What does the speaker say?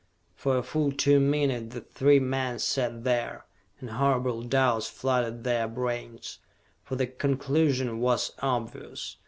For a full two minutes the three men sat there, and horrible doubts flooded their brains. For the conclusion was obvious.